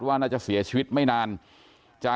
ไม่ได้เกี่ยวกับแตะต้องเลยนะ